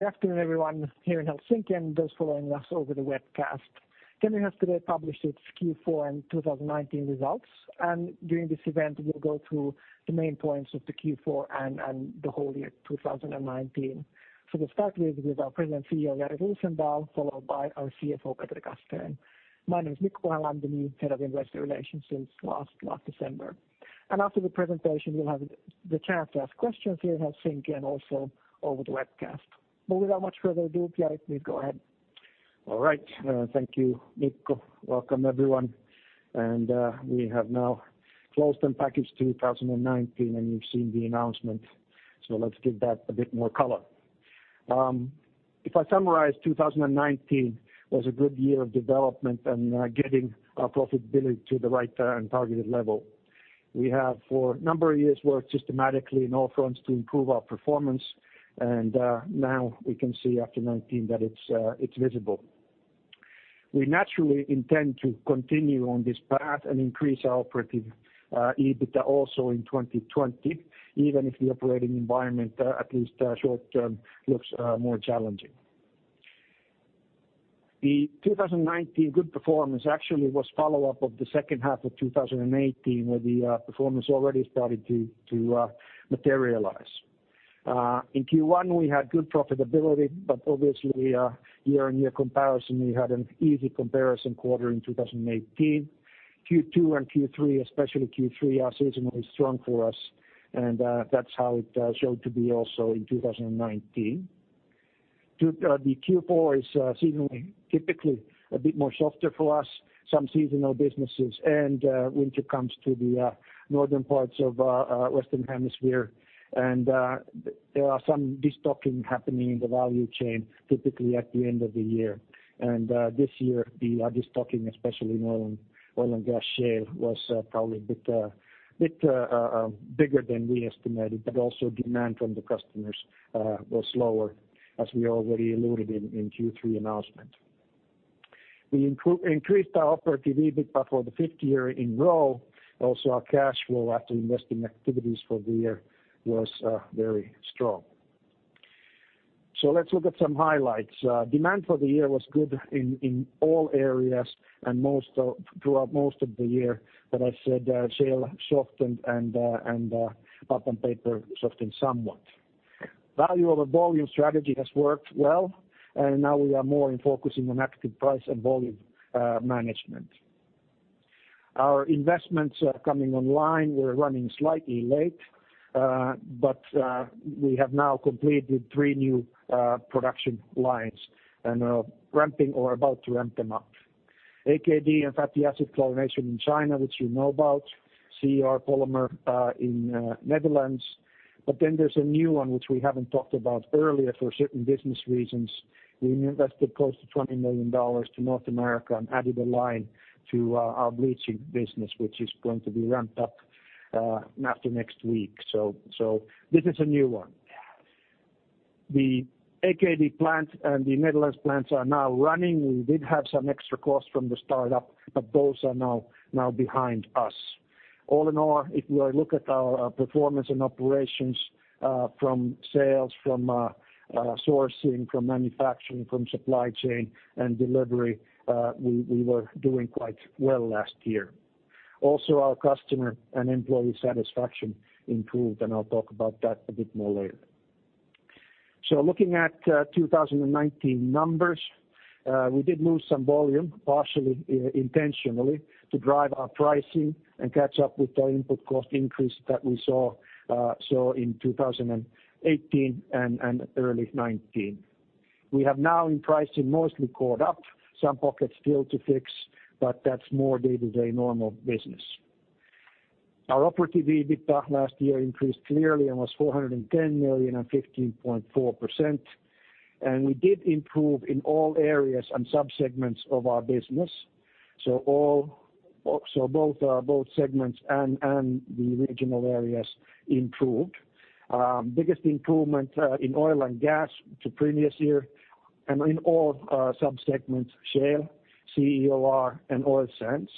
Good afternoon, everyone here in Helsinki and those following us over the webcast. Kemira has today published its Q4 and 2019 results. During this event, we'll go through the main points of the Q4 and the whole year 2019. We'll start with our President and CEO, Jari Rosendal, followed by our CFO, Petri Castrén. My name is Mikko Pohjala, I'm the new Head of Investor Relations since last December. After the presentation, we'll have the chance to ask questions here in Helsinki and also over the webcast. Without much further ado, Jari, please go ahead. All right. Thank you, Mikko. Welcome, everyone, we have now closed and packaged 2019, and you've seen the announcement. Let's give that a bit more color. If I summarize 2019, was a good year of development and getting our profitability to the right and targeted level. We have for a number of years worked systematically on all fronts to improve our performance, and now we can see after 2019 that it's visible. We naturally intend to continue on this path and increase our Operative EBITDA also in 2020, even if the operating environment, at least short-term, looks more challenging. The 2019 good performance actually was follow-up of the second half of 2018, where the performance already started to materialize. In Q1, we had good profitability, but obviously year-on-year comparison, we had an easy comparison quarter in 2018. Q2 and Q3, especially Q3, are seasonally strong for us. That's how it showed to be also in 2019. The Q4 is seasonally typically a bit more softer for us, some seasonal businesses and winter comes to the northern parts of Western Hemisphere. There are some destocking happening in the value chain, typically at the end of the year. This year, the destocking, especially in oil and gas shale, was probably a bit bigger than we estimated, but also demand from the customers was lower as we already alluded in Q3 announcement. We increased our operative EBITDA for the fifth year in a row. Also, our cash flow after investing activities for the year was very strong. Let's look at some highlights. Demand for the year was good in all areas and throughout most of the year. I said, shale softened and pulp and paper softened somewhat. Value over volume strategy has worked well, and now we are more focusing on active price and volume management. Our investments are coming online. We're running slightly late. We have now completed three new production lines and are ramping or about to ramp them up. AKD and fatty acid chlorination in China, which you know about, CEOR polymer in Netherlands. There's a new one which we haven't talked about earlier for certain business reasons. We invested close to $20 million to North America and added a line to our bleaching business, which is going to be ramped up after next week. This is a new one. The AKD plant and the Netherlands plants are now running. We did have some extra costs from the startup, but those are now behind us. All in all, if we look at our performance and operations from sales, from sourcing, from manufacturing, from supply chain and delivery, we were doing quite well last year. Our customer and employee satisfaction improved, I'll talk about that a bit more later. Looking at 2019 numbers, we did lose some volume, partially intentionally, to drive our pricing and catch up with the input cost increase that we saw in 2018 and early 2019. We have now in pricing mostly caught up, some pockets still to fix, but that's more day-to-day normal business. Our operative EBITDA last year increased clearly and was 410 million and 15.4%, and we did improve in all areas and sub-segments of our business. Both segments and the regional areas improved. Biggest improvement in oil and gas to previous year and in all sub-segments, shale, CEOR, and Oil Sands.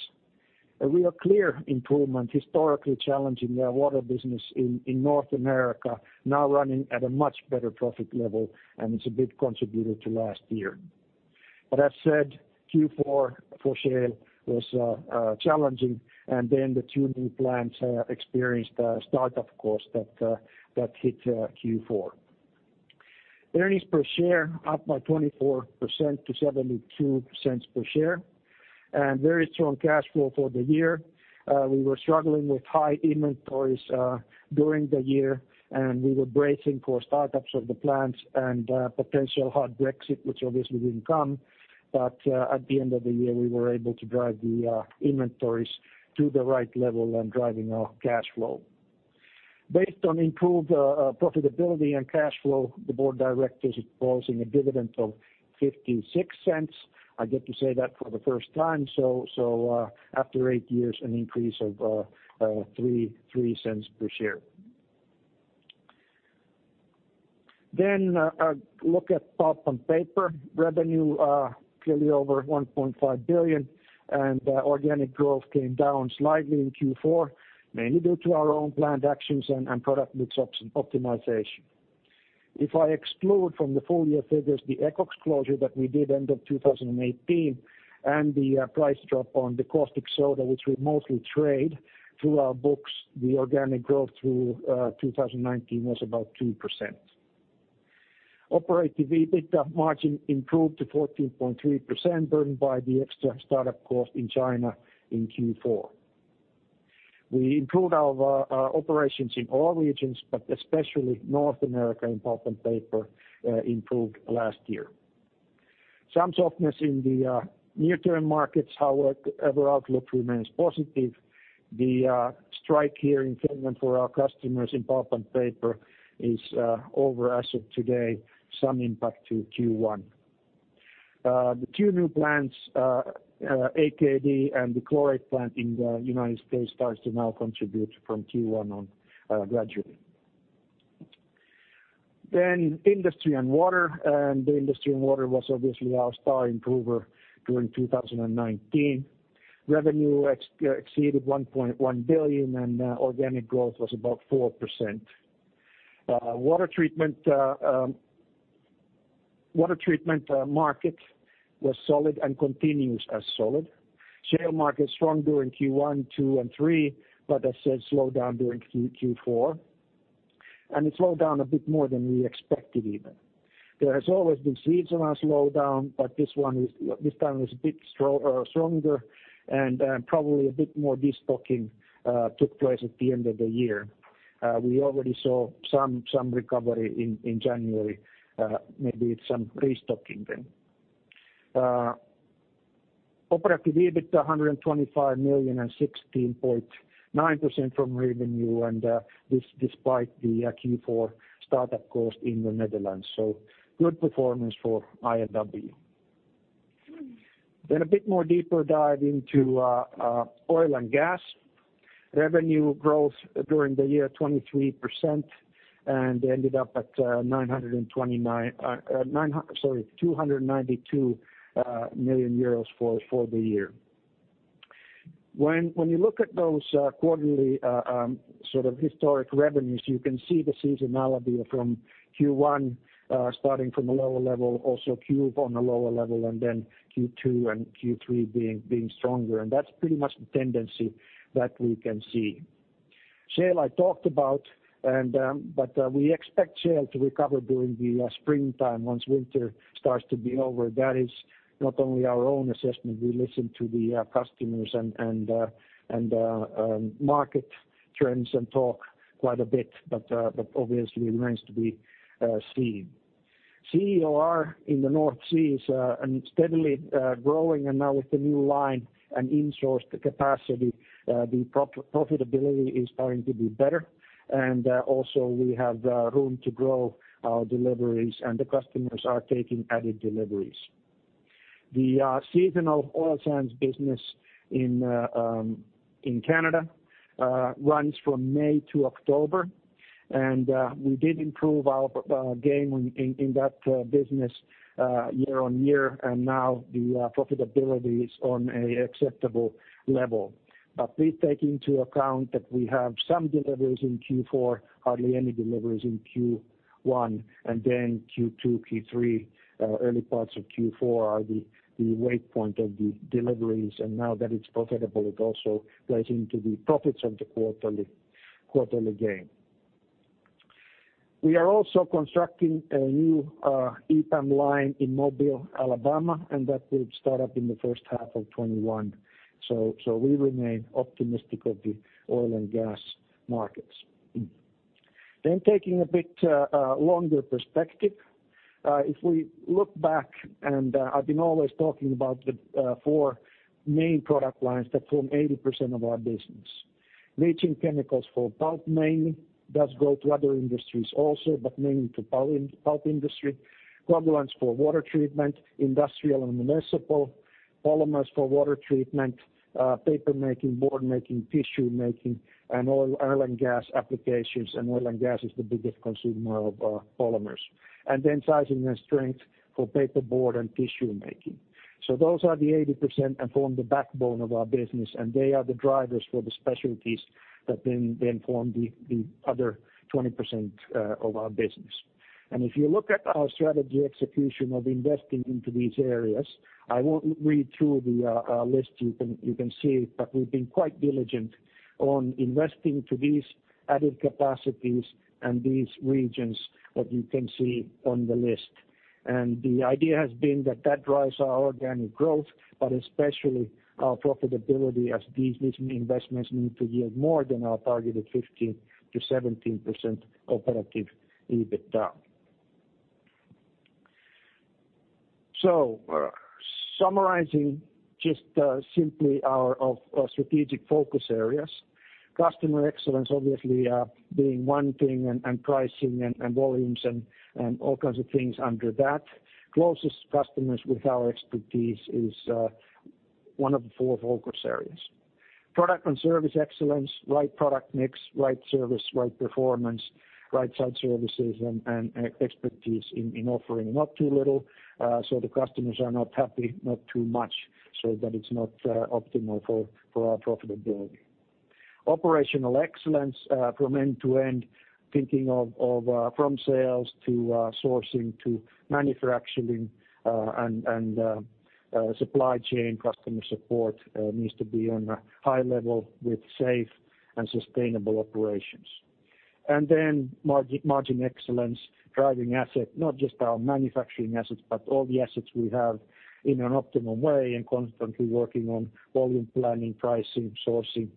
A real clear improvement, historically challenging our water business in North America, now running at a much better profit level, and it's a big contributor to last year. As said, Q4 for shale was challenging, and then the two new plants experienced a startup cost that hit Q4. Earnings per share up by 24% to 0.72 per share, and very strong cash flow for the year. We were struggling with high inventories during the year, and we were bracing for startups of the plants and potential hard Brexit, which obviously didn't come. At the end of the year, we were able to drive the inventories to the right level and driving our cash flow. Based on improved profitability and cash flow, the board of directors is proposing a dividend of 0.56. I get to say that for the first time, so after eight years, an increase of 0.03 per share. A look at pulp and paper. Revenue clearly over 1.5 billion and organic growth came down slightly in Q4, mainly due to our own planned actions and product mix optimization. If I exclude from the full-year figures the ECOX closure that we did end of 2018 and the price drop on the caustic soda, which we mostly trade through our books, the organic growth through 2019 was about 2%. Operative EBITDA margin improved to 14.3%, burdened by the extra startup cost in China in Q4. We improved our operations in all regions, but especially North America in pulp and paper improved last year. Some softness in the near-term markets, however, outlook remains positive. The strike here in Finland for our customers in pulp and paper is over as of today, some impact to Q1. The two new plants, AKD and the chlorate plant in the United States, starts to now contribute from Q1 on gradually. Industry and water. The industry and water was obviously our star improver during 2019. Revenue exceeded 1.1 billion, and organic growth was about 4%. Water treatment market was solid and continues as solid. Shale market strong during Q1, Q2, and Q3, but as said, slowed down during Q4. It slowed down a bit more than we expected even. There has always been seasonal slowdown, but this time was a bit stronger, and probably a bit more destocking took place at the end of the year. We already saw some recovery in January. Maybe it's some restocking then. Operative EBITDA 125 million and 16.9% from revenue, despite the Q4 startup cost in the Netherlands. Good performance for I&W. A bit more deeper dive into oil and gas. Revenue growth during the year, 23%, ended up at 292 million euros for the year. When you look at those quarterly sort of historic revenues, you can see the seasonality from Q1 starting from a lower level, also Q1 a lower level, then Q2 and Q3 being stronger. That's pretty much the tendency that we can see. Shale I talked about, we expect shale to recover during the springtime once winter starts to be over. That is not only our own assessment. We listen to the customers and market trends and talk quite a bit, obviously remains to be seen. CEOR in the North Sea is steadily growing. Now with the new line and in-sourced capacity, the profitability is going to be better. Also we have room to grow our deliveries, and the customers are taking added deliveries. The seasonal Oil Sands business in Canada runs from May to October, and we did improve our gain in that business year-on-year, and now the profitability is on an acceptable level. Please take into account that we have some deliveries in Q4, hardly any deliveries in Q1, and then Q2, Q3, early parts of Q4 are the weight point of the deliveries. Now that it's profitable, it also plays into the profits of the quarterly game. We are also constructing a new EPAM line in Mobile, Alabama, and that will start up in the first half of 2021. We remain optimistic of the oil and gas markets. Taking a bit longer perspective. If we look back, and I've been always talking about the four main product lines that form 80% of our business. Bleaching chemicals for pulp mainly, does go to other industries also, but mainly to pulp industry. Coagulants for water treatment, industrial and municipal. Polymers for water treatment, paper making, board making, tissue making, and oil and gas applications, and oil and gas is the biggest consumer of polymers. Sizing and strength for paper board and tissue making. Those are the 80% and form the backbone of our business, and they are the drivers for the specialties that then form the other 20% of our business. If you look at our strategy execution of investing into these areas, I won't read through the list you can see, but we've been quite diligent on investing to these added capacities and these regions that you can see on the list. The idea has been that that drives our organic growth, but especially our profitability as these investments need to yield more than our targeted 15%-17% operative EBITDA. Summarizing just simply our strategic focus areas. Customer excellence obviously being one thing, and pricing and volumes and all kinds of things under that. Closest customers with our expertise is one of the four focus areas. Product and service excellence, right product mix, right service, right performance, right side services, and expertise in offering not too little, so the customers are not happy, not too much, so that it's not optimal for our profitability. Operational excellence from end to end, thinking of from sales to sourcing to manufacturing and supply chain customer support needs to be on a high level with safe and sustainable operations. Margin excellence, driving asset, not just our manufacturing assets, but all the assets we have in an optimum way, and constantly working on volume planning, pricing, sourcing,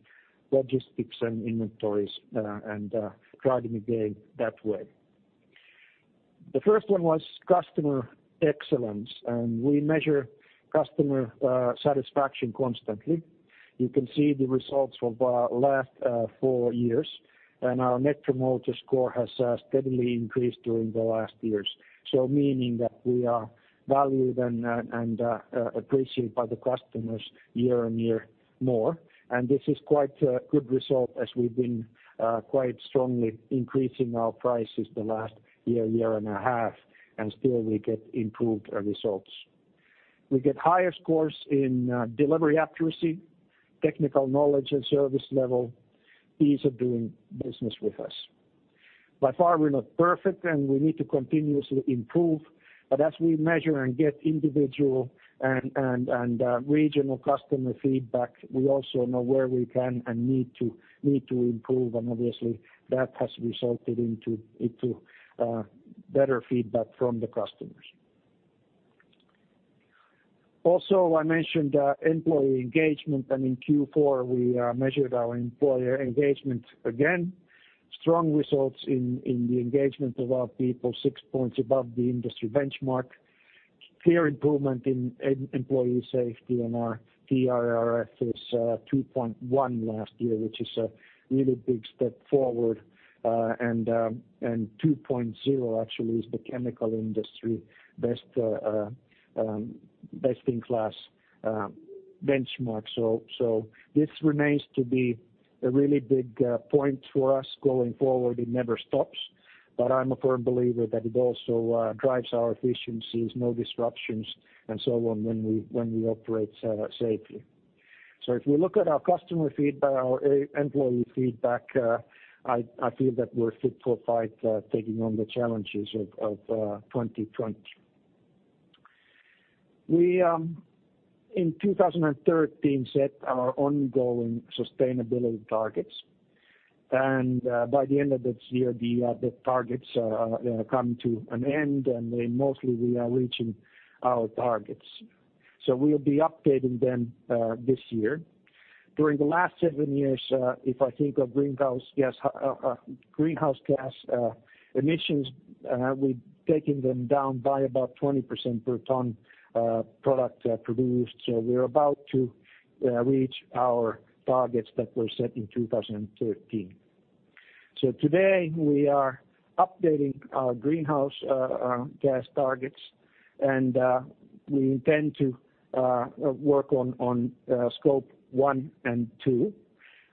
logistics, and inventories, and driving the gain that way. The first one was customer excellence. We measure customer satisfaction constantly. You can see the results from last four years. Our Net Promoter Score has steadily increased during the last years. Meaning that we are valued and appreciated by the customers year on year more. This is quite a good result as we've been quite strongly increasing our prices the last year and a half, and still we get improved results. We get higher scores in delivery accuracy, technical knowledge and service level, ease of doing business with us. By far, we're not perfect, and we need to continuously improve, but as we measure and get individual and regional customer feedback, we also know where we can and need to improve. Obviously, that has resulted into better feedback from the customers. Also, I mentioned employee engagement, and in Q4, we measured our employee engagement again. Strong results in the engagement of our people, six points above the industry benchmark. Clear improvement in employee safety. Our TRIF is 2.1 last year, which is a really big step forward. 2.0 actually is the chemical industry best in class benchmark. This remains to be a really big point for us going forward. It never stops, I'm a firm believer that it also drives our efficiencies, no disruptions and so on when we operate safely. If you look at our customer feedback, our employee feedback, I feel that we're fit for fight, taking on the challenges of 2020. We, in 2013, set our ongoing sustainability targets. By the end of this year, the targets are going to come to an end. Mostly we are reaching our targets. We'll be updating them this year. During the last seven years, if I think of greenhouse gas emissions, we've taken them down by about 20% per ton product produced. We're about to reach our targets that were set in 2013. Today, we are updating our greenhouse gas targets, and we intend to work on Scope 1 and 2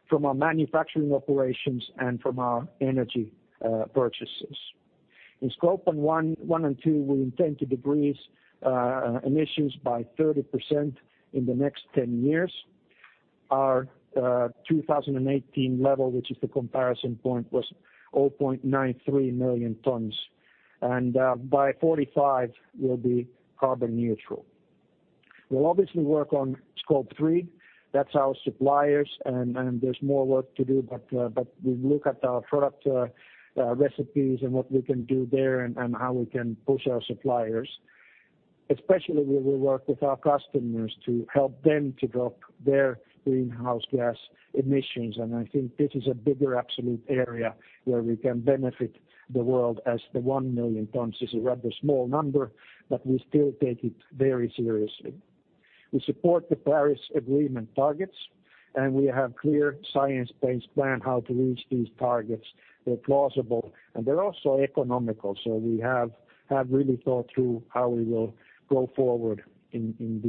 from our manufacturing operations and from our energy purchases. In Scope 1 and 2, we intend to decrease emissions by 30% in the next 10 years. Our 2018 level, which is the comparison point, was 0.93 million tons. By 2045, we'll be carbon neutral. We'll obviously work on Scope 3. That's our suppliers, and there's more work to do, but we look at our product recipes and what we can do there and how we can push our suppliers. Especially we will work with our customers to help them to drop their greenhouse gas emissions. I think this is a bigger absolute area where we can benefit the world as the 1 million tons is a rather small number, we still take it very seriously. We support the Paris Agreement targets. We have clear science-based plan how to reach these targets. They're plausible. They're also economical. We have really thought through how we will go forward with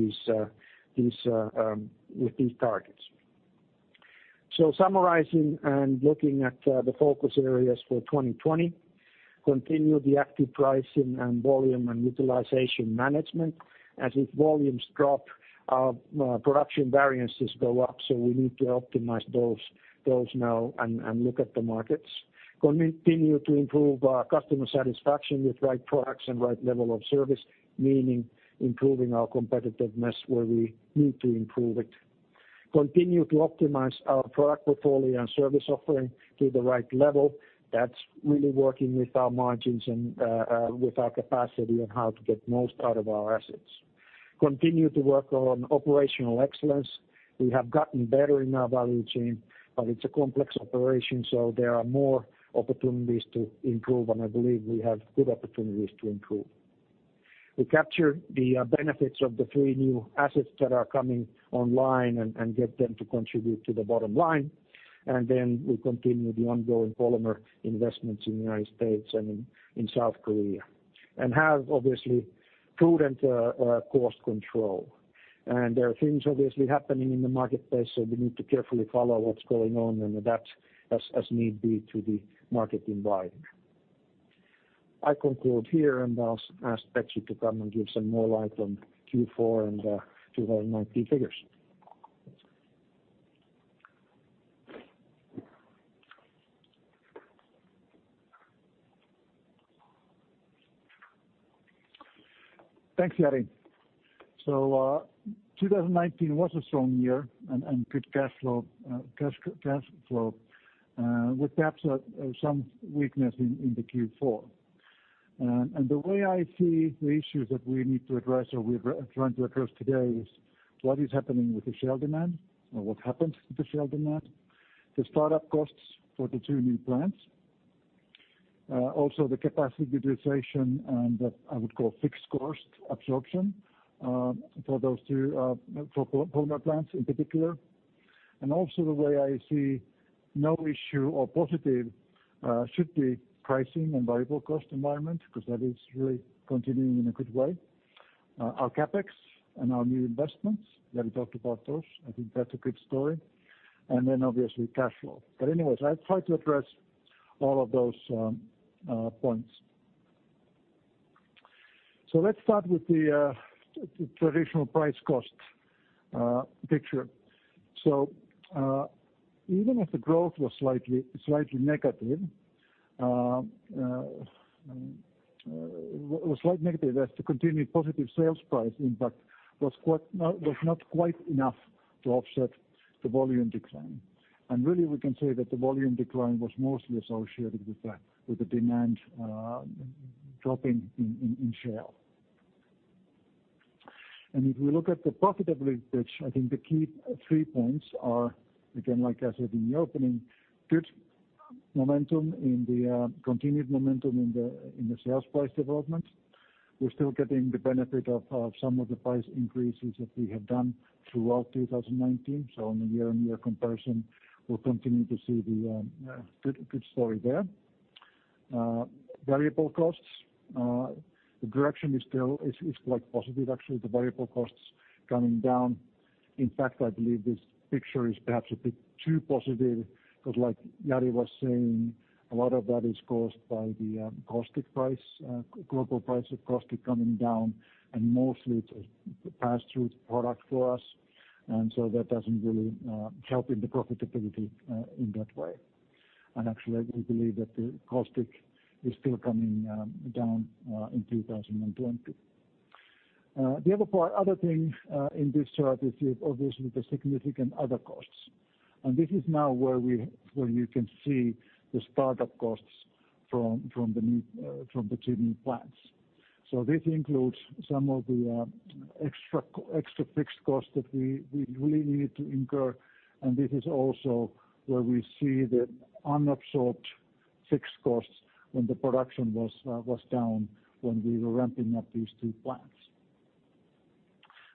these targets. Summarizing and looking at the focus areas for 2020, continue the active pricing and volume and utilization management. As if volumes drop, our production variances go up, we need to optimize those now and look at the markets. Continue to improve our customer satisfaction with right products and right level of service, meaning improving our competitiveness where we need to improve it. Continue to optimize our product portfolio and service offering to the right level. That's really working with our margins and with our capacity on how to get the most out of our assets. Continue to work on operational excellence. We have gotten better in our value chain, but it's a complex operation, so there are more opportunities to improve, and I believe we have good opportunities to improve. We capture the benefits of the three new assets that are coming online and get them to contribute to the bottom line. We continue the ongoing polymer investments in the United States and in South Korea. Have, obviously, prudent cost control. There are things obviously happening in the marketplace, so we need to carefully follow what's going on and adapt as need be to the market environment. I conclude here and I'll ask Petri to come and give some more light on Q4 and 2019 figures. Thanks, Jari. 2019 was a strong year and good cash flow, with perhaps some weakness in the Q4. The way I see the issues that we need to address or we're trying to address today is what is happening with the shale demand or what happened to the shale demand, the start-up costs for the two new plants, also the capacity utilization and the, I would call fixed cost absorption, for polymer plants in particular. Also the way I see no issue or positive should be pricing and variable cost environment, because that is really continuing in a good way. Our CapEx and our new investments, Jari talked about those. I think that's a good story. Obviously cash flow. Anyways, I'll try to address all of those points. Let's start with the traditional price cost picture. Even if the growth was slightly negative, the continued positive sales price impact was not quite enough to offset the volume decline. Really we can say that the volume decline was mostly associated with the demand dropping in shale. If we look at the profitability picture, I think the key three points are, again, like I said in the opening, good continued momentum in the sales price development. We're still getting the benefit of some of the price increases that we have done throughout 2019. On a year-on-year comparison, we'll continue to see the good story there. Variable costs, the direction is quite positive actually, the variable costs coming down. In fact, I believe this picture is perhaps a bit too positive because like Jari was saying, a lot of that is caused by the global price of caustic coming down, and mostly it's a pass-through product for us. That doesn't really help in the profitability in that way. Actually, we believe that the caustic is still coming down in 2020. The other thing in this chart is obviously the significant other costs. This is now where you can see the start-up costs from the two new plants. This includes some of the extra fixed costs that we really needed to incur, and this is also where we see the unabsorbed fixed costs when the production was down when we were ramping up these two plants.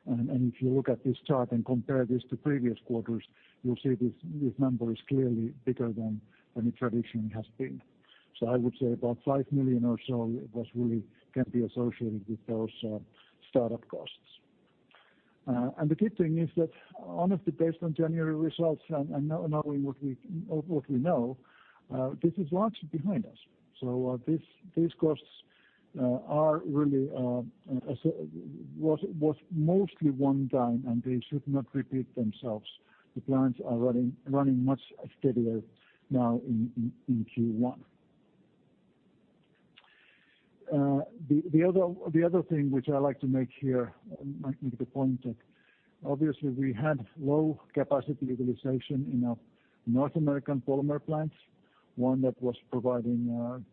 If you look at this chart and compare this to previous quarters, you'll see this number is clearly bigger than it traditionally has been. I would say about 5 million or so was really can be associated with those start-up costs. The good thing is that honestly, based on January results and knowing what we know, this is largely behind us. These costs are really was mostly one time, and they should not repeat themselves. The plants are running much steadier now in Q1. The other thing which I like to make here, making the point that obviously we had low capacity utilization in our North American polymer plants, one that was providing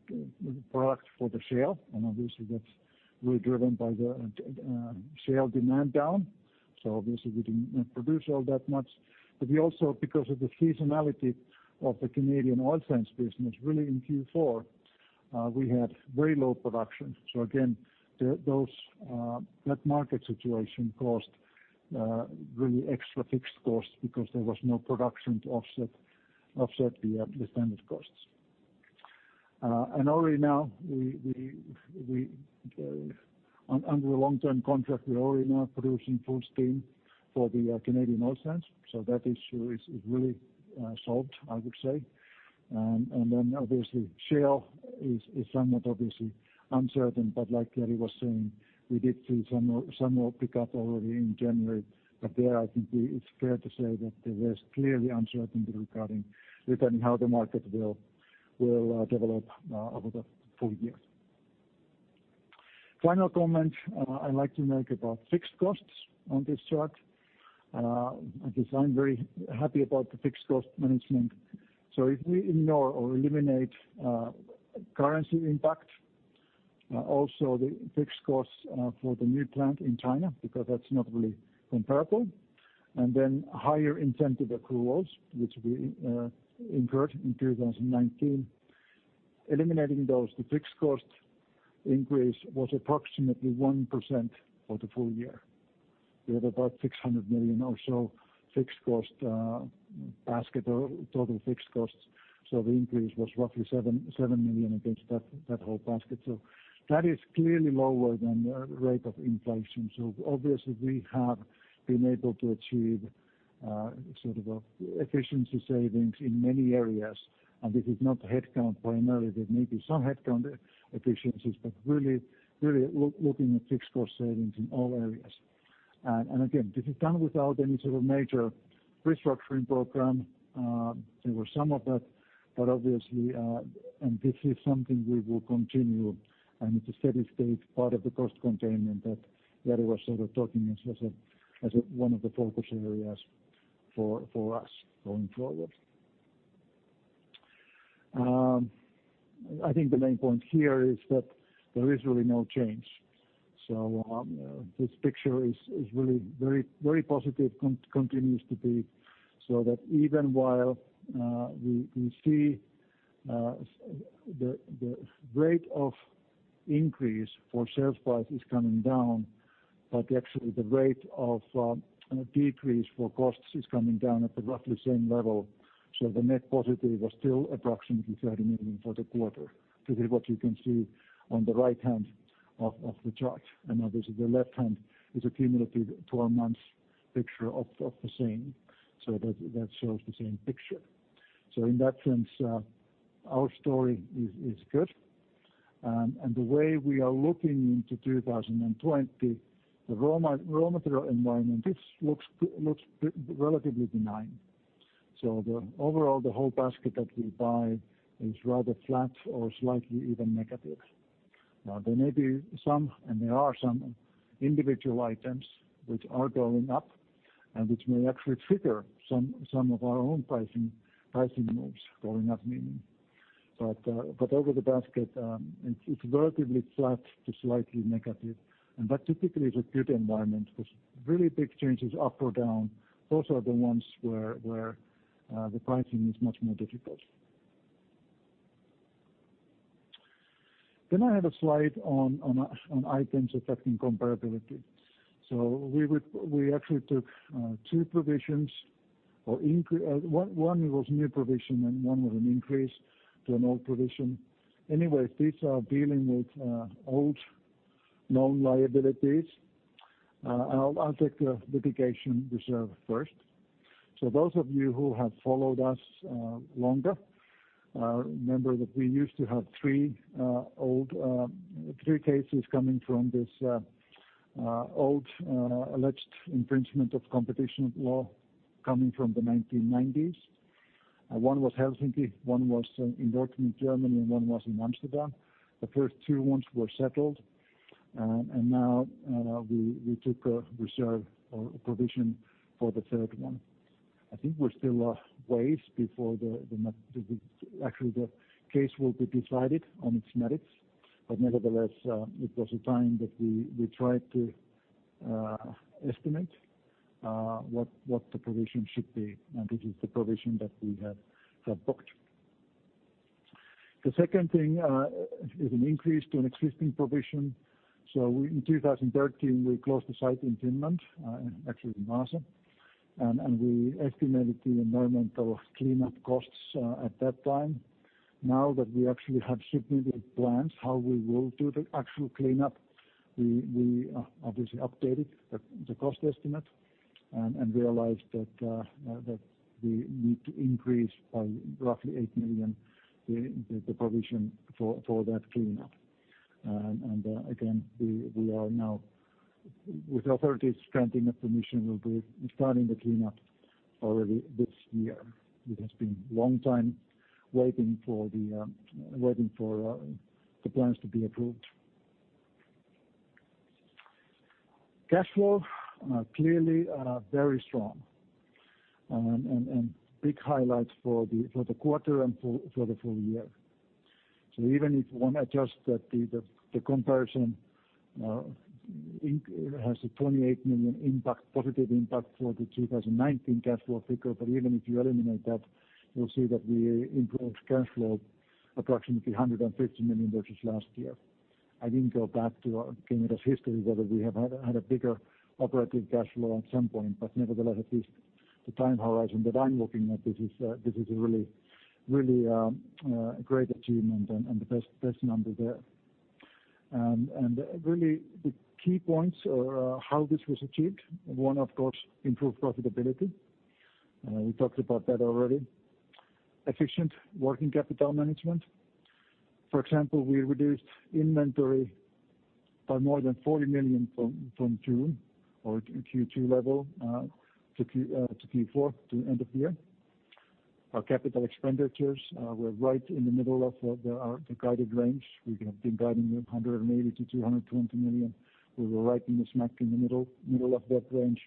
product for the shale, and obviously that's really driven by the shale demand down. Obviously we didn't produce all that much. We also, because of the seasonality of the Canadian Oil Sands business, really in Q4, we had very low production. Again, that market situation caused really extra fixed costs because there was no production to offset the standard costs. Already now, under a long-term contract, we are already now producing full steam for the Canadian Oil Sands. That issue is really solved, I would say. Obviously shale is somewhat obviously uncertain, but like Jari was saying, we did see some more pickup already in January. There, I think it's fair to say that there's clearly uncertainty regarding how the market will develop over the full year. Final comment I'd like to make about fixed costs on this chart, I guess I'm very happy about the fixed cost management. If we ignore or eliminate currency impact, also the fixed costs for the new plant in China, because that's not really comparable, and then higher incentive accruals, which we incurred in 2019. Eliminating those, the fixed cost increase was approximately 1% for the full year. We have about 600 million or so fixed cost basket or total fixed costs. The increase was roughly 7 million against that whole basket. That is clearly lower than the rate of inflation. Obviously we have been able to achieve sort of efficiency savings in many areas, and this is not headcount primarily. There may be some headcount efficiencies, but really looking at fixed cost savings in all areas. Again, this is done without any sort of major restructuring program. There were some of that, obviously, and this is something we will continue, and it's a steady state part of the cost containment that Jari was sort of talking as one of the focus areas for us going forward. I think the main point here is that there is really no change. This picture is really very positive, continues to be, that even while we see the rate of increase for sales price is coming down, actually the rate of decrease for costs is coming down at the roughly same level. The net positive was still approximately 30 million for the quarter. This is what you can see on the right-hand of the chart. Obviously, the left hand is a cumulative 12 months picture of the same, that shows the same picture. In that sense, our story is good. The way we are looking into 2020, the raw material environment, this looks relatively benign. Overall, the whole basket that we buy is rather flat or slightly even negative. There may be some, and there are some individual items which are going up and which may actually trigger some of our own pricing moves going up. Over the basket, it's relatively flat to slightly negative. That typically is a good environment because really big changes up or down, those are the ones where the pricing is much more difficult. I have a slide on items affecting comparability. We actually took two provisions, one was new provision and one was an increase to an old provision. Anyway, these are dealing with old known liabilities. I'll take the litigation reserve first. Those of you who have followed us longer, remember that we used to have three cases coming from this old alleged infringement of competition law coming from the 1990s. One was Helsinki, one was in Dortmund, Germany, and one was in Amsterdam. The first two ones were settled, now we took a reserve or a provision for the third one. I think we're still a ways before actually the case will be decided on its merits. Nevertheless, it was a time that we tried to estimate what the provision should be, and this is the provision that we have booked. The second thing is an increase to an existing provision. In 2013, we closed the site in Finland, actually Vaasa, and we estimated the environmental cleanup costs at that time. Now that we actually have submitted plans how we will do the actual cleanup, we obviously updated the cost estimate and realized that we need to increase by roughly 8 million, the provision for that cleanup. We are now with authorities granting a permission, we'll be starting the cleanup already this year. It has been long time waiting for the plans to be approved. Cash flow, clearly very strong, and big highlights for the quarter and for the full year. Even if one adjusts that the comparison has a 28 million positive impact for the 2019 cash flow figure, but even if you eliminate that, you'll see that we improved cash flow approximately 150 million versus last year. I didn't go back to Kemira's history, whether we have had a bigger operating cash flow at some point. Nevertheless, at least the time horizon that I'm looking at this is a really great achievement and the best number there. Really the key points are how this was achieved. One, of course, improved profitability. We talked about that already. Efficient working capital management. For example, we reduced inventory by more than 40 million from June or Q2 level to Q4 to end of the year. Our CapEx were right in the middle of the guided range. We have been guiding 180 million-220 million. We were right in the smack in the middle of that range.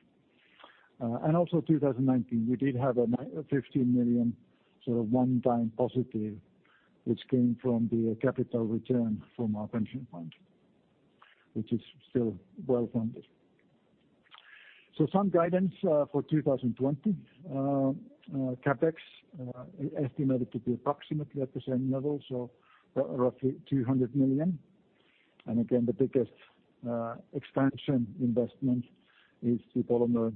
Also 2019, we did have a 15 million sort of one-time positive, which came from the capital return from our pension fund, which is still well-funded. Some guidance for 2020. CapEx estimated to be approximately at the same level, roughly 200 million. Again, the biggest expansion investment is the polymer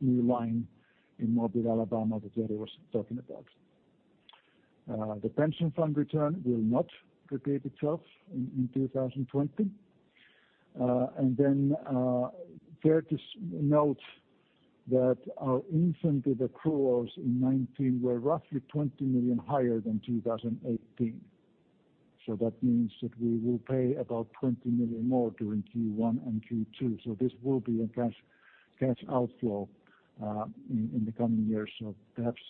new line in Mobile, Alabama, that Jari was talking about. The pension fund return will not repeat itself in 2020. Fair to note that our incentive accruals in 2019 were roughly 20 million higher than 2018. That means that we will pay about 20 million more during Q1 and Q2. This will be a cash outflow in the coming years. Perhaps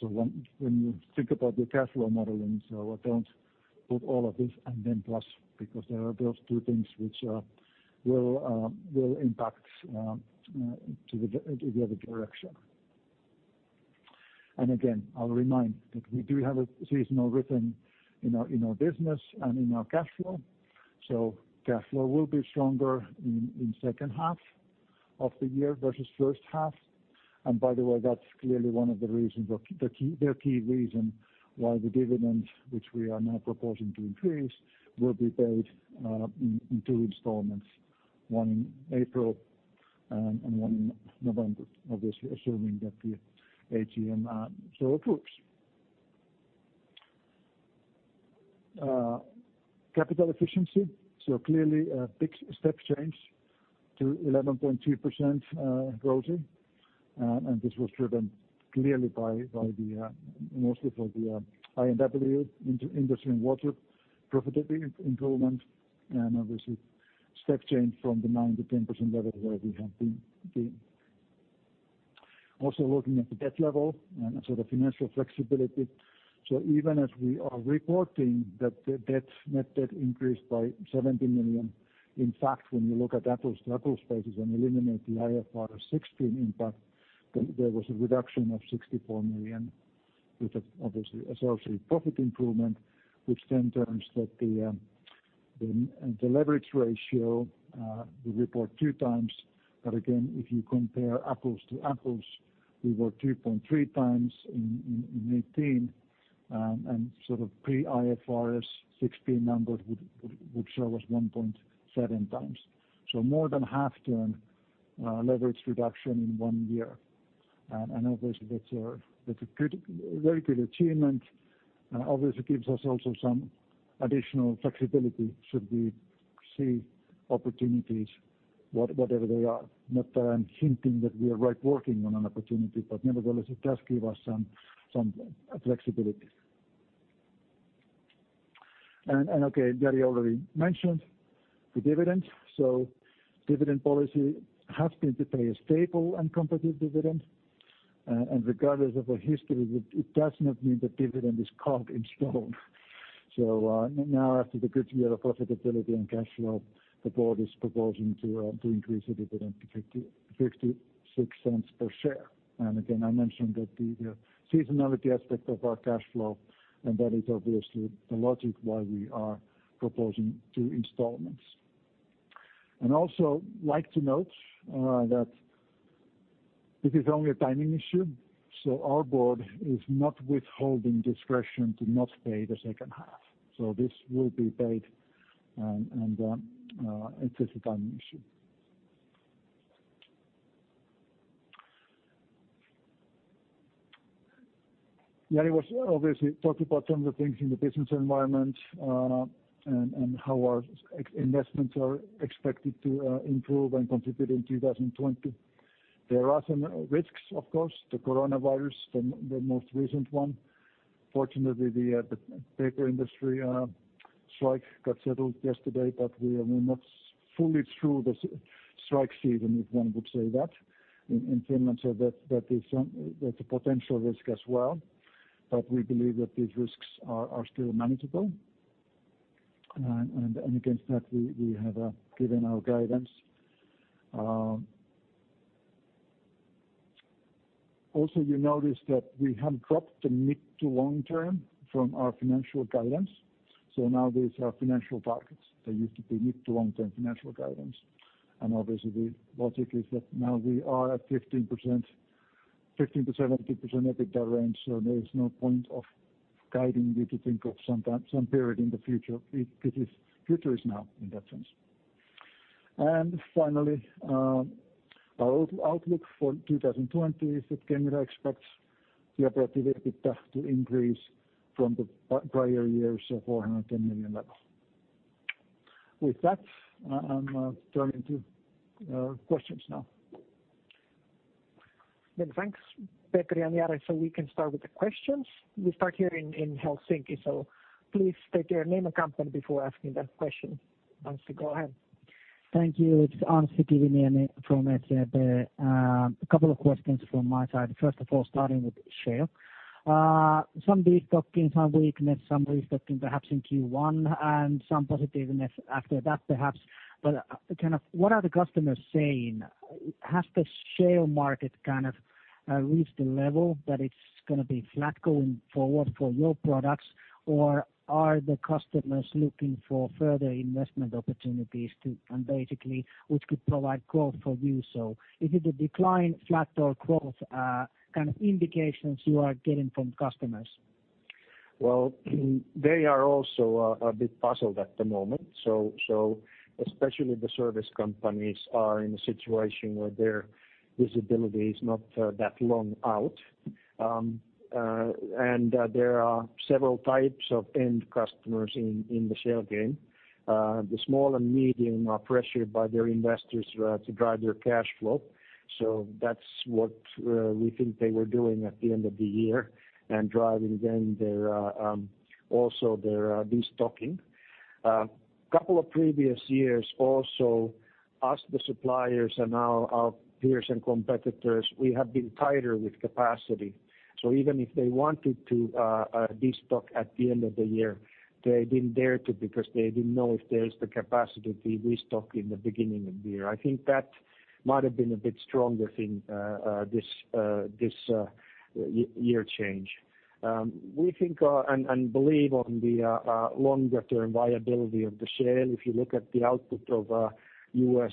when you think about the cash flow modeling, don't put all of this and then plus, because there are those two things which will impact to the other direction. Again, I'll remind that we do have a seasonal rhythm in our business and in our cash flow. Cash flow will be stronger in second half of the year versus first half. By the way, that's clearly their key reason why the dividends, which we are now proposing to increase, will be paid in two installments, one in April and one in November. Obviously, assuming that the AGM so approves. Capital efficiency. Clearly a big step change to 11.2% ROCE. This was driven mostly from the I&W, industry and water, profitability improvement, obviously step change from the 9%-10% level where we have been. Also looking at the debt level and the financial flexibility. Even as we are reporting that the net debt increased by 70 million, in fact, when you look at apples to apples basis and eliminate the IFRS 16 impact, there was a reduction of 64 million, which obviously associates profit improvement, which then turns that the leverage ratio we report 2x. Again, if you compare apples to apples, we were 2.3x in 2018, and pre-IFRS 16 numbers would show us 1.7x. More than half turn leverage reduction in one year. Obviously that's a very good achievement. Obviously gives us also some additional flexibility should we see opportunities, whatever they are. Not that I'm hinting that we are right working on an opportunity, but nevertheless, it does give us some flexibility. Okay, Jari already mentioned the dividends. Dividend policy has been to pay a stable and competitive dividend. Regardless of the history, it does not mean that dividend is carved in stone. Now after the good year of profitability and cash flow, the board is proposing to increase the dividend to 0.56 per share. Again, I mentioned that the seasonality aspect of our cash flow, and that is obviously the logic why we are proposing two installments. Also like to note that this is only a timing issue, so our board is not withholding discretion to not pay the second half. This will be paid, and it is a timing issue. Jari was obviously talking about some of the things in the business environment, and how our investments are expected to improve and contribute in 2020. There are some risks, of course, the coronavirus, the most recent one. Fortunately, the paper industry strike got settled yesterday, but we are not fully through the strike season, if one would say that, in Finland. That's a potential risk as well. We believe that these risks are still manageable. Against that, we have given our guidance. Also, you notice that we have dropped the mid to long term from our financial guidance. Now these are financial targets. They used to be mid to long-term financial guidance. Obviously the logic is that now we are at 15%-17% EBITDA range, so there is no point of guiding you to think of some period in the future. Future is now, in that sense. Finally, our outlook for 2020 is that Kemira expects the operating EBITDA to increase from the prior year's 410 million level. With that, I'm turning to questions now. Thanks, Petri and Jari. We can start with the questions. We start here in Helsinki, please state your name and company before asking that question. Anssi, go ahead. Thank you. It's Anssi Kiviniemi from SEB. A couple of questions from my side. First of all, starting with shale. Some de-stocking, some weakness, some de-stocking perhaps in Q1, and some positiveness after that, perhaps. What are the customers saying? Has the shale market kind of reached a level that it's going to be flat going forward for your products, or are the customers looking for further investment opportunities to, and basically which could provide growth for you? Is it a decline, flat, or growth kind of indications you are getting from customers? Well, they are also a bit puzzled at the moment. Especially the service companies are in a situation where their visibility is not that long out. There are several types of end customers in the shale game. The small and medium are pressured by their investors to drive their cash flow. That's what we think they were doing at the end of the year and driving then also their destocking. Couple of previous years also, us the suppliers and our peers and competitors, we have been tighter with capacity. Even if they wanted to destock at the end of the year, they didn't dare to, because they didn't know if there is the capacity to restock in the beginning of the year. I think that might have been a bit stronger thing this year change. We think and believe on the longer-term viability of the shale. If you look at the output of U.S.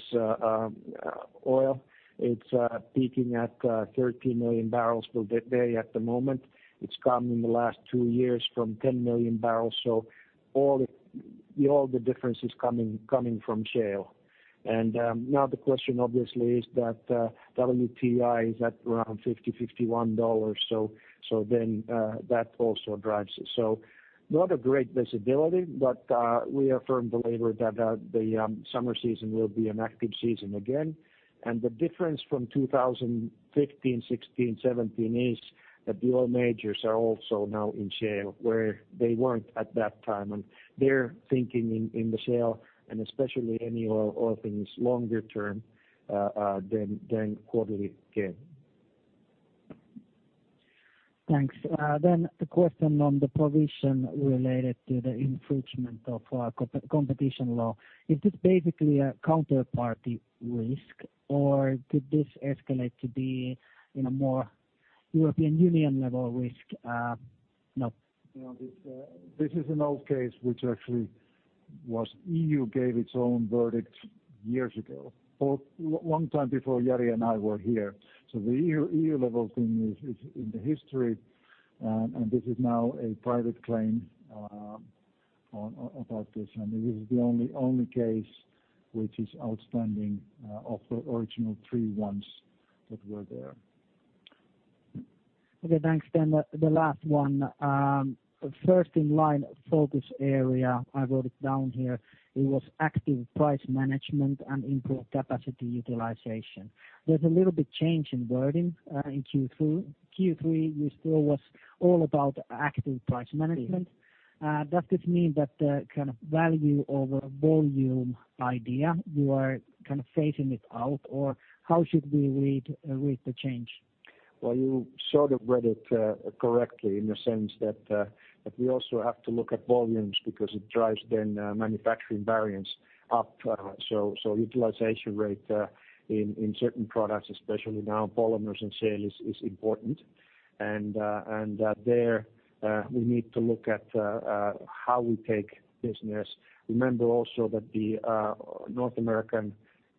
oil, it's peaking at 13 million barrels per day at the moment. It's come in the last two years from 10 million barrels. All the difference is coming from shale. Now the question obviously is that WTI is at around $50, $51. That also drives it. Not a great visibility, but we are firm believer that the summer season will be an active season again. The difference from 2015, 2016, 2017 is that the oil majors are also now in shale where they weren't at that time. They're thinking in the shale and especially any oil openings longer term than quarterly gain. Thanks. The question on the provision related to the infringement of competition law. Is this basically a counterparty risk or could this escalate to be in a more European Union level risk? This is an old case which actually was EU gave its own verdict years ago, or long time before Jari and I were here. The EU level thing is in the history, and this is now a private claim about this. This is the only case which is outstanding of the original three ones that were there. Okay, thanks. The last one. First in line focus area, I wrote it down here, it was active price management and improved capacity utilization. There's a little bit change in wording in Q3. Q3, you still was all about active price management. Does this mean that the kind of value over volume idea, you are kind of phasing it out? How should we read the change? Well, you sort of read it correctly in the sense that we also have to look at volumes because it drives then manufacturing variance up. Utilization rate in certain products, especially now polymers and sales, is important. There we need to look at how we take business. Remember also that the North American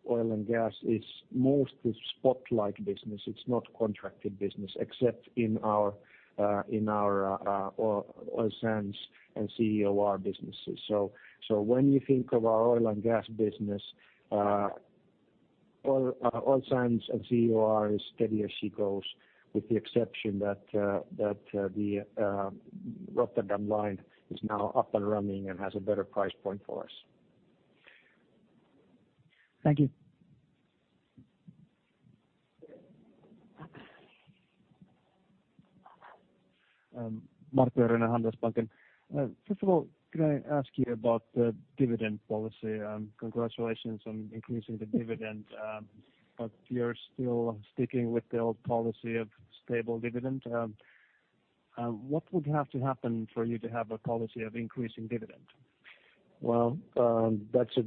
oil and gas is mostly spot-like business. It's not contracted business except in our Oil Sands and CEOR businesses. When you think of our oil and gas business, Oil Sands and CEOR is steady as she goes with the exception that the Rotterdam line is now up and running and has a better price point for us. Thank you. [Martti Orjala], Handelsbanken. First of all, could I ask you about the dividend policy? Congratulations on increasing the dividend. You're still sticking with the old policy of stable dividend. What would have to happen for you to have a policy of increasing dividend? That's a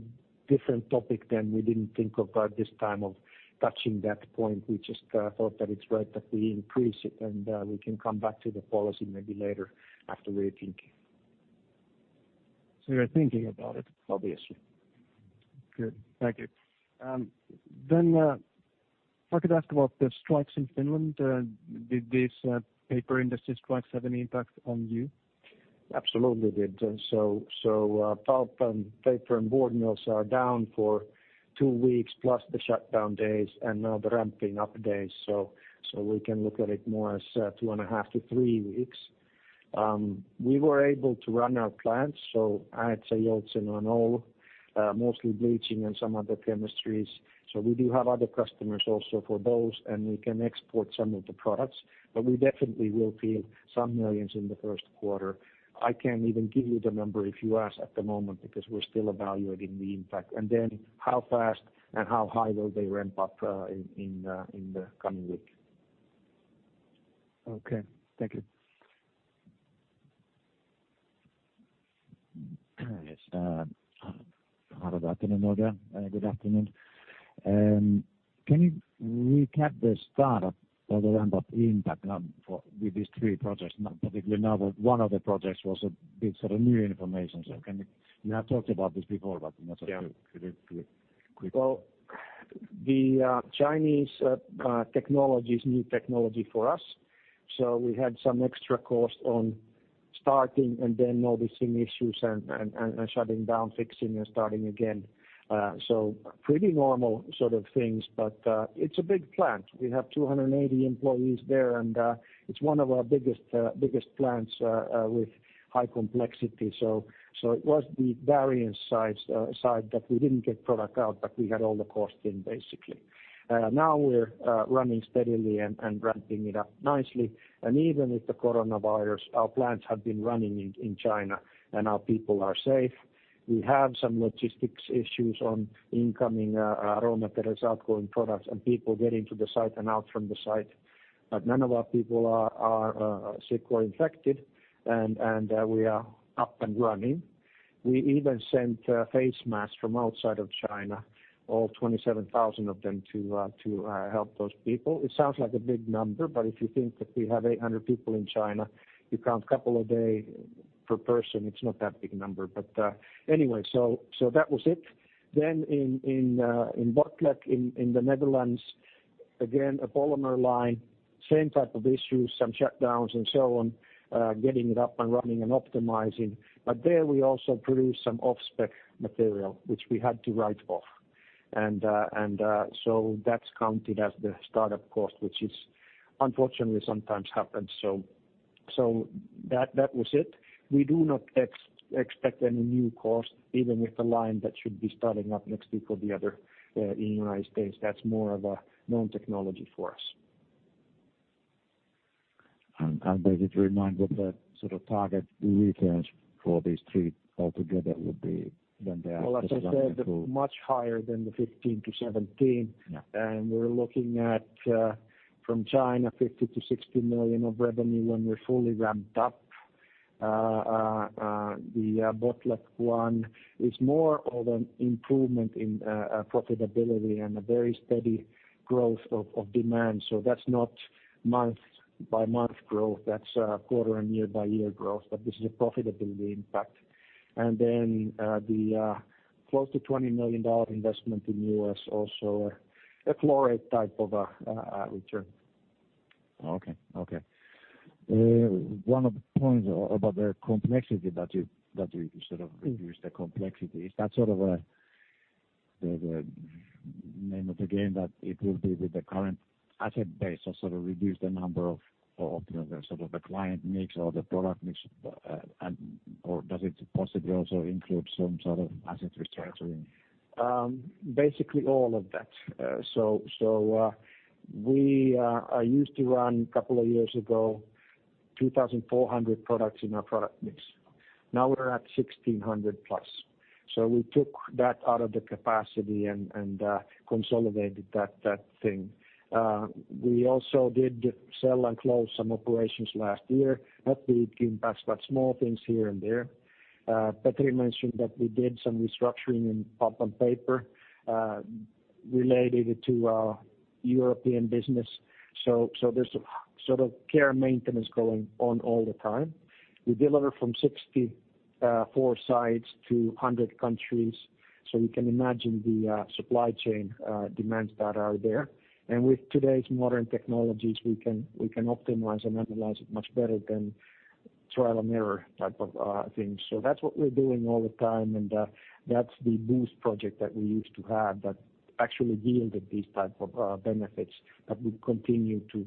different topic than we didn't think about this time of touching that point. We just thought that it's right that we increase it and we can come back to the policy maybe later after rethinking. You're thinking about it? Obviously. Good. Thank you. If I could ask about the strikes in Finland. Did these paper industry strikes have any impact on you? Absolutely did. Pulp and paper and board mills are down for two weeks plus the shutdown days and now the ramping up days. We can look at it more as 2.5 to 3 weeks. We were able to run our plants. Äetsä, Jämsä, and Oulu, mostly bleaching and some other chemistries. We do have other customers also for those, and we can export some of the products, but we definitely will feel some millions in the first quarter. I can't even give you the number if you ask at the moment because we're still evaluating the impact. How fast and how high will they ramp up in the coming weeks. Okay. Thank you. Yes. [Harri Raukola], OK. Good afternoon. Can you recap the start up of the ramp up impact with these three projects? Particularly now that one of the projects was a bit sort of new information. You have talked about this before, but just to quickly. The Chinese technology is new technology for us. We had some extra cost on starting and then noticing issues and shutting down, fixing and starting again. Pretty normal sort of things, but it's a big plant. We have 280 employees there and it's one of our biggest plants with high complexity. It was the variance side that we didn't get product out, but we had all the cost in basically. Now we're running steadily and ramping it up nicely. Even with the coronavirus, our plants have been running in China and our people are safe. We have some logistics issues on incoming raw material, outgoing products, and people getting to the site and out from the site. None of our people are sick or infected, and we are up and running. We even sent face masks from outside of China, all 27,000 of them, to help those people. It sounds like a big number, but if you think that we have 800 people in China, you count couple a day per person, it's not that big a number. Anyway, that was it. In Botlek in the Netherlands, again, a polymer line, same type of issues, some shutdowns and so on, getting it up and running and optimizing. There we also produced some off-spec material which we had to write off. That's counted as the startup cost, which unfortunately sometimes happens. That was it. We do not expect any new cost, even with the line that should be starting up next week or the other in the U.S. That's more of a known technology for us. May I just remind what the sort of target returns for these three altogether would be when they actually run through? Well, as I said, much higher than the 15 to 17. Yeah. We're looking at, from China, 50 million-60 million of revenue when we're fully ramped up. The Botlek one is more of an improvement in profitability and a very steady growth of demand. That's not month-by-month growth. That's quarter and year-by-year growth, but this is a profitability impact. The close to $20 million investment in U.S. also a [fluoride] type of a return. Okay. One of the points about the complexity that you sort of reduced the complexity, is that sort of the name of the game that it will be with the current asset base or sort of reduce the number of the client mix or the product mix? Does it possibly also include some sort of asset restructuring? Basically all of that. We used to run, a couple of years ago, 2,400 products in our product mix. Now we're at 1,600 plus. We took that out of the capacity and consolidated that thing. We also did sell and close some operations last year. That did impact, but small things here and there. Petri mentioned that we did some restructuring in pulp and paper related to our European business. There's a sort of care maintenance going on all the time. We deliver from 64 sites to 100 countries, so you can imagine the supply chain demands that are there. With today's modern technologies, we can optimize and analyze it much better than trial and error type of things. That's what we're doing all the time, and that's the boost project that we used to have that actually yielded these type of benefits. We continue to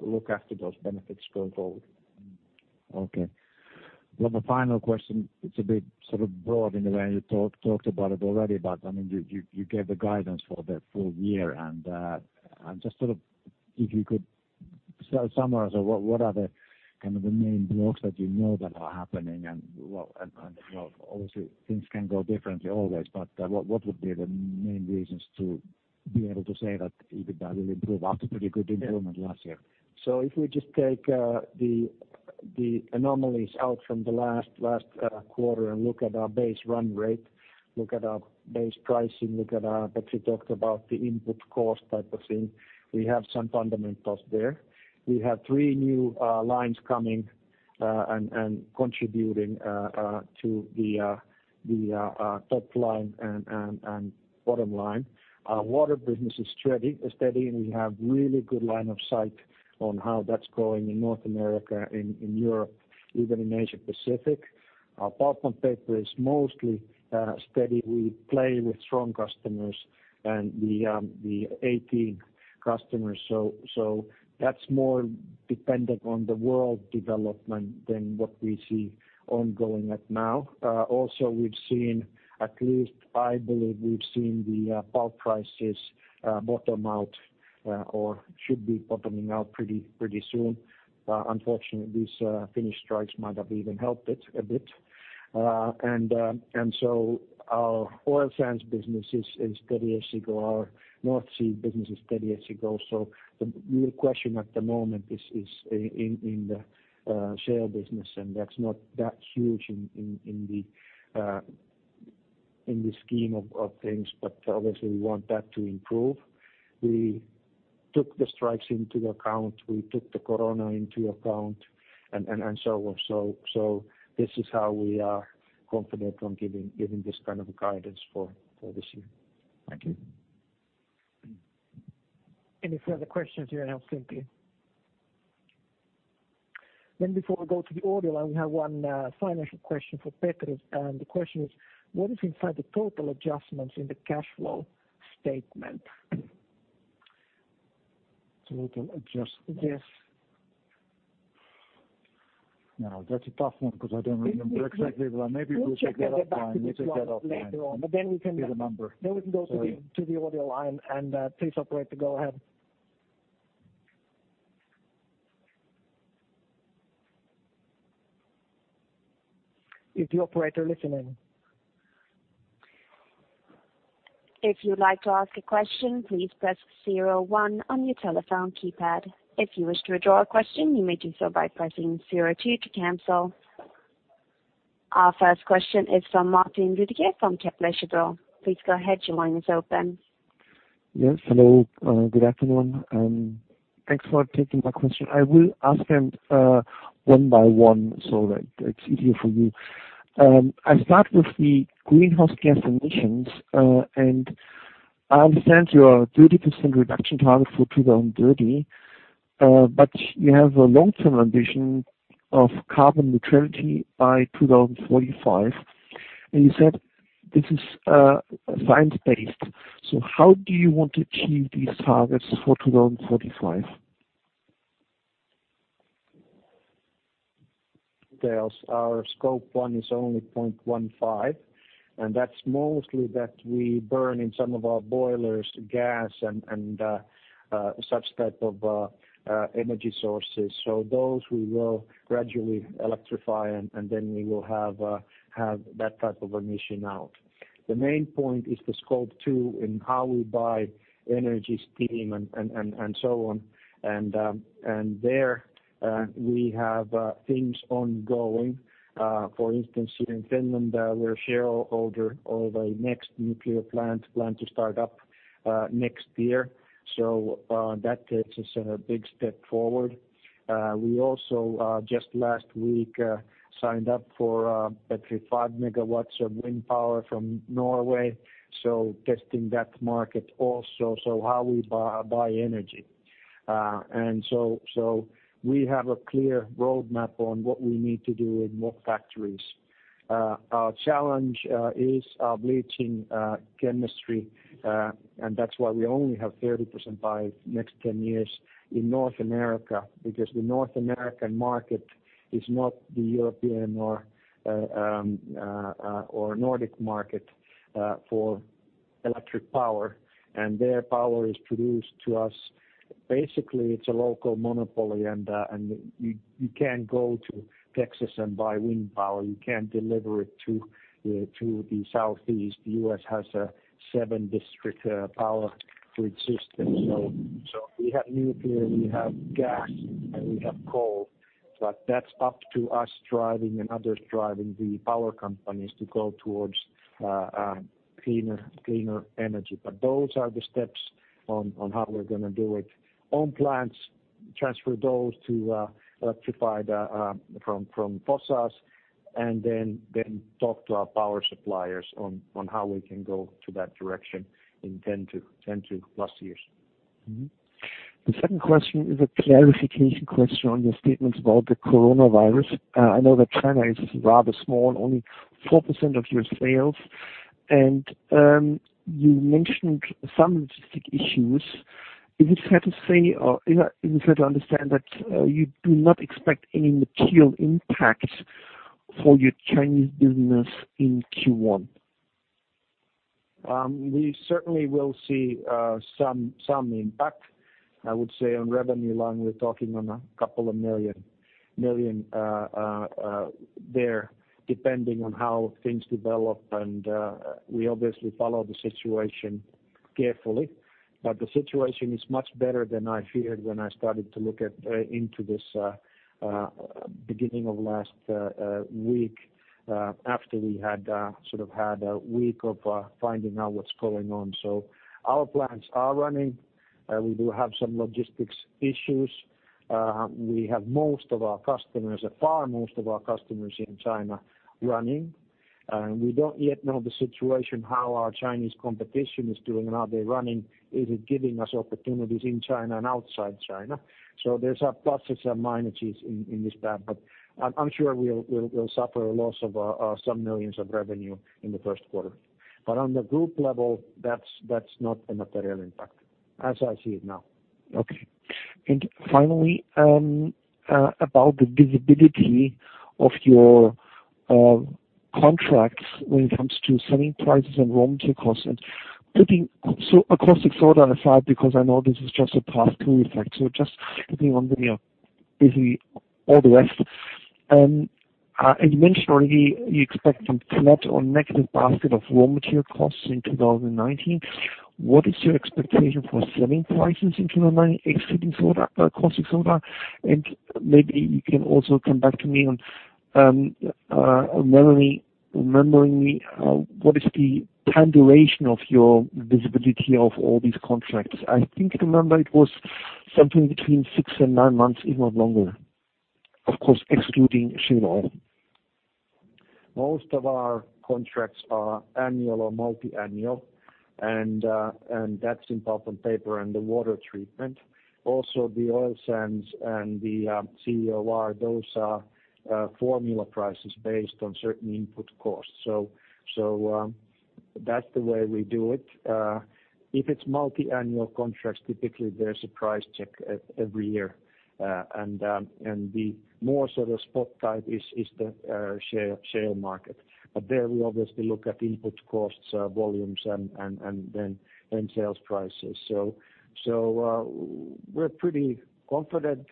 look after those benefits going forward. Okay. Well, the final question, it's a bit sort of broad in a way, and you talked about it already, but you gave the guidance for the full year. Just sort of if you could summarize or what are the kind of the main blocks that you know that are happening and well, obviously things can go differently always, but what would be the main reasons to be able to say that EBITDA will improve after pretty good improvement last year? If we just take the anomalies out from the last quarter and look at our base run rate, look at our base pricing, Petri talked about the input cost type of thing. We have some fundamentals there. We have three new lines coming and contributing to the top line and bottom line. Our water business is steady, and we have really good line of sight on how that's growing in North America, in Europe, even in Asia Pacific. Our pulp and paper is mostly steady. We play with strong customers and the 18 customers. That's more dependent on the world development than what we see ongoing at now. We've seen, at least I believe, the pulp prices bottom out or should be bottoming out pretty soon. Unfortunately, these Finnish strikes might have even helped it a bit. Our Oil Sands business is steady as you go. Our North Sea business is steady as you go. The real question at the moment is in the share business, and that's not that huge in the scheme of things. Obviously we want that to improve. We took the strikes into account, we took the corona into account, and so on. This is how we are confident on giving this kind of guidance for this year. Thank you. Any further questions here? Before we go to the audio line, we have one final question for Petri, and the question is: what is inside the total adjustments in the cash flow statement? Total adjustments. Now that's a tough one because I don't remember exactly, but maybe we'll get offline. We'll check and get back to you later on. Give a number. We can go to the audio line and please, operator, go ahead. Is the operator listening? If you'd like to ask a question, please press zero one on your telephone keypad. If you wish to withdraw a question, you may do so by pressing zero two to cancel. Our first question is from Martin Roediger from Kepler Cheuvreux. Please go ahead. Your line is open. Yes. Hello, good afternoon, and thanks for taking my question. I will ask them one by one so that it's easier for you. I'll start with the greenhouse gas emissions. I understand your 30% reduction target for 2030, but you have a long-term ambition of carbon neutrality by 2045, and you said this is science-based. How do you want to achieve these targets for 2045? There our Scope 1 is only 0.15, that's mostly that we burn in some of our boilers gas and such type of energy sources. Those we will gradually electrify, then we will have that type of emission out. The main point is the Scope 2 in how we buy energy, steam, and so on, there we have things ongoing. For instance, here in Finland, we're shareholder of a next nuclear plant planned to start up next year. That takes us a big step forward. We also, just last week signed up for 35 MW of wind power from Norway, testing that market also. We have a clear roadmap on what we need to do in what factories. Our challenge is our bleaching chemistry. That's why we only have 30% by next 10 years in North America, because the North American market is not the European or Nordic market for electric power. Their power is produced to us. Basically, it's a local monopoly. You can't go to Texas and buy wind power. You can't deliver it to the Southeast. The U.S. has a seven-district power grid system. We have nuclear, we have gas, and we have coal. That's up to us driving and others driving the power companies to go towards cleaner energy. Those are the steps on how we're going to do it. Own plants, transfer those to electrified from fossils. Then talk to our power suppliers on how we can go to that direction in 10+ years. The second question is a clarification question on your statements about the coronavirus. I know that China is rather small, only 4% of your sales, and you mentioned some logistic issues. Is it fair to say, or is it fair to understand that you do not expect any material impact for your Chinese business in Q1? We certainly will see some impact. On revenue line, we're talking on a couple of million there, depending on how things develop, and we obviously follow the situation carefully. The situation is much better than I feared when I started to look into this, beginning of last week, after we had a week of finding out what's going on. Our plants are running. We do have some logistics issues. We have a far most of our customers in China running. We don't yet know the situation, how our Chinese competition is doing and are they running? Is it giving us opportunities in China and outside China? There's pluses and minuses in this part, but I'm sure we'll suffer a loss of some millions of revenue in the first quarter. On the group level, that's not a material impact as I see it now. Okay. Finally, about the visibility of your contracts when it comes to selling prices and raw material costs and putting caustic soda aside, because I know this is just a pass-through effect. Just keeping on basically all the rest. As you mentioned already, you're expecting flat or negative basket of raw material costs in 2019. What is your expectation for selling prices in 2019 excluding caustic soda? Maybe you can also come back to me on- Memory, remembering me, what is the time duration of your visibility of all these contracts? I think, remember it was something between six and nine months, if not longer. Of course, excluding shale. Most of our contracts are annual or multi-annual, and that's in pulp and paper and the water treatment. Also the Oil Sands and the CEOR, those are formula prices based on certain input costs. That's the way we do it. If it's multi-annual contracts, typically there's a price check every year. The more sort of spot type is the share market. There we obviously look at input costs, volumes and then sales prices. We're pretty confident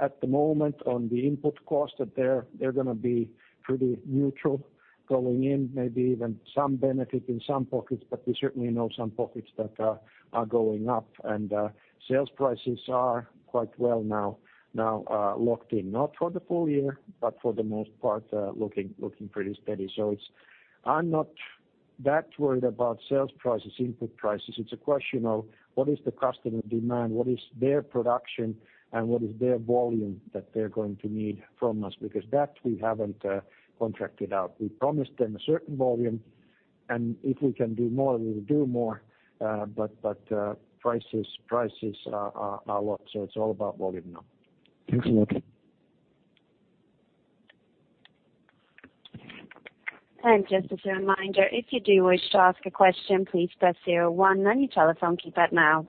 at the moment on the input cost that they're going to be pretty neutral going in, maybe even some benefit in some pockets, but we certainly know some pockets that are going up. Sales prices are quite well now locked in. Not for the full year, but for the most part looking pretty steady. I'm not that worried about sales prices, input prices. It's a question of what is the customer demand, what is their production, and what is their volume that they're going to need from us, because that we haven't contracted out. We promised them a certain volume, and if we can do more, we will do more, but prices are locked, so it's all about volume now. Thanks a lot. Just as a reminder, if you do wish to ask a question, please press zero one on your telephone keypad now.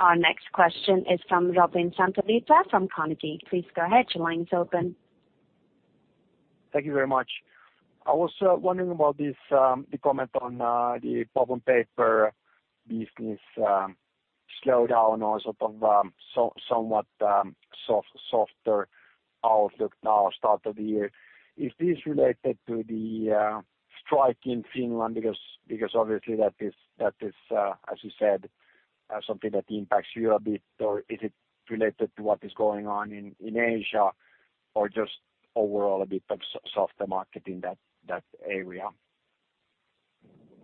Our next question is from Robin Santavirta from Carnegie. Please go ahead, your line's open. Thank you very much. I was wondering about the comment on the pulp and paper business slowdown or sort of somewhat softer outlook now start of the year. Is this related to the strike in Finland? Because obviously that is, as you said, something that impacts you a bit, or is it related to what is going on in Asia or just overall a bit of softer market in that area?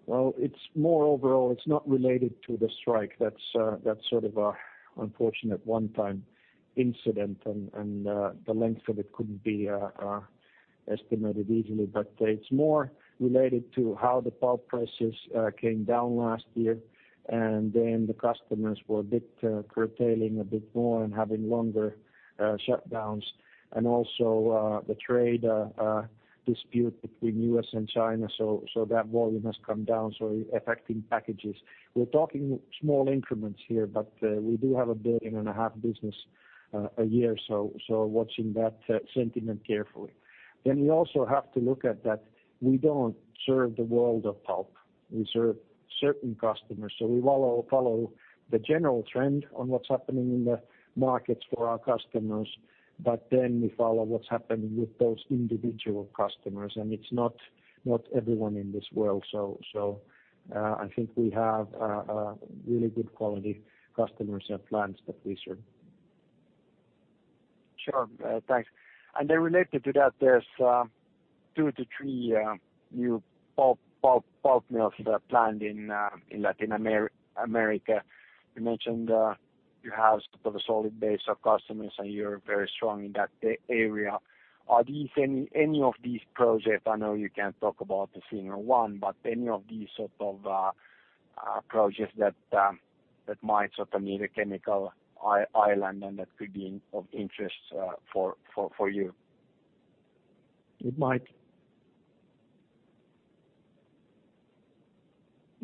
Well, it's more overall, it's not related to the strike. That's sort of an unfortunate one-time incident, and the length of it couldn't be estimated easily. It's more related to how the pulp prices came down last year, and then the customers were a bit curtailing a bit more and having longer shutdowns. The trade dispute between U.S. and China, that volume has come down, affecting packages. We're talking small increments here, but we do have a billion and a half EUR business a year, watching that sentiment carefully. We also have to look at that we don't serve the world of pulp. We serve certain customers. We follow the general trend on what's happening in the markets for our customers. We follow what's happening with those individual customers. It's not everyone in this world. I think we have really good quality customers and plants that we serve. Sure. Thanks. Related to that, there's two to three new pulp mills that are planned in Latin America. You mentioned you have sort of a solid base of customers, and you're very strong in that area. Are any of these projects, I know you can't talk about the Finland one, but any of these sort of projects that might sort of need a chemical island and that could be of interest for you? It might.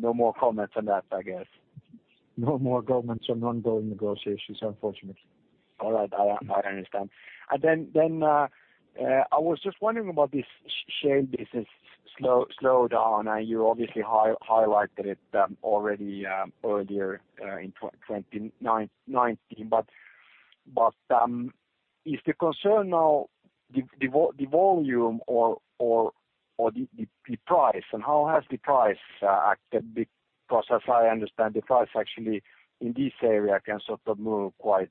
No more comments on that, I guess. No more comments on ongoing negotiations, unfortunately. All right. I understand. I was just wondering about this shale business slowdown, you obviously highlighted it already earlier in 2019. Is the concern now the volume or the price? How has the price acted? As I understand, the price actually in this area can sort of move quite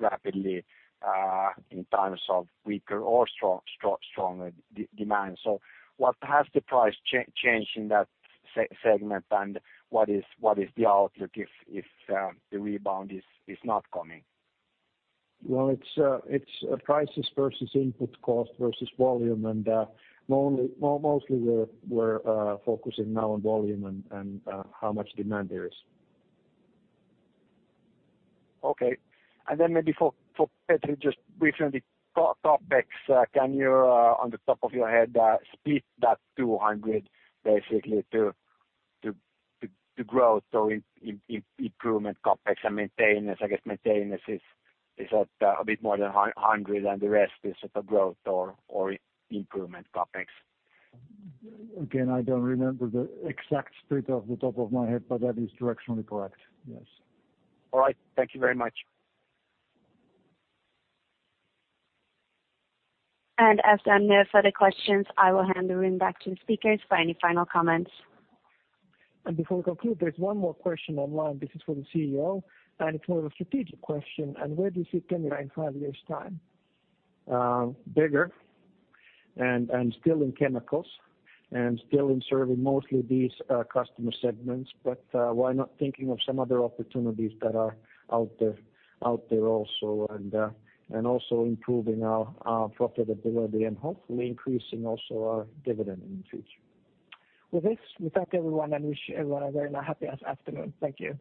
rapidly in times of weaker or stronger demand. What has the price changed in that segment, and what is the outlook if the rebound is not coming? Well, it's prices versus input cost versus volume. Mostly we're focusing now on volume and how much demand there is. Okay. Then maybe for Petri, just briefly on the CapEx, can you, on the top of your head, split that 200 basically to growth or improvement CapEx and maintenance? I guess maintenance is at a bit more than 100, the rest is sort of growth or improvement CapEx. Again, I don't remember the exact split off the top of my head, but that is directionally correct. Yes. All right. Thank you very much. As there are no further questions, I will hand the room back to the speakers for any final comments. Before we conclude, there's one more question online. This is for the CEO, and it is more of a strategic question. Where do you see Kemira in five years' time? Bigger and still in chemicals and still in serving mostly these customer segments, why not thinking of some other opportunities that are out there also? Also improving our profitability and hopefully increasing also our dividend in the future. With this, we thank everyone and wish everyone a very happy afternoon. Thank you.